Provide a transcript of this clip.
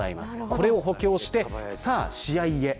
これを補強して試合へ。